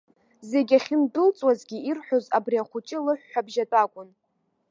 Зегьы ахьындәылҵуазгьы ирҳәоз абри ахәыҷы лыҳәҳәабжь атәы акәын.